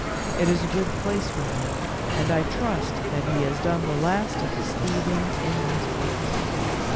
It is a good place for him, and I trust that he has done the last of his thieving in these woods.